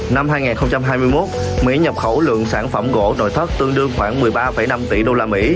năm hai nghìn hai mươi một mỹ nhập khẩu lượng sản phẩm gỗ nội thất tương đương khoảng một mươi ba năm tỷ usd